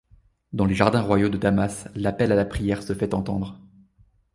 Dans les jardins royaux de Damas, l'appel à la prière se fait entendre.